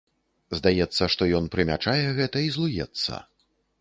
Здаецца, што ён прымячае гэта і злуецца.